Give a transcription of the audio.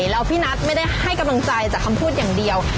แล้วพี่นัทไม่ได้ให้กำลังใจจากคำพูดอย่างเดียว